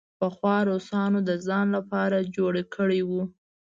پخوا روسانو د ځان لپاره جوړ کړی وو.